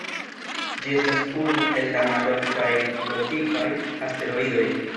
Ĝi estas unu el la maloftaj T-tipaj asteroidoj.